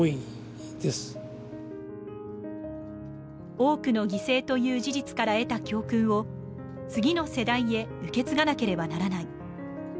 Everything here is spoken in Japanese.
多くの犠牲という事実から得た教訓を次の世代へ受け継がなければならない。